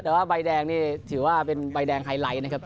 แต่ว่าใบแดงนี่ถือว่าเป็นใบแดงไฮไลท์นะครับ